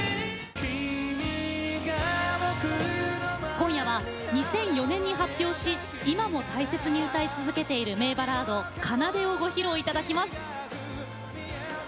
今夜は２００４年に発表し今も大切に歌い続けている名バラード「奏」をご披露いただきます。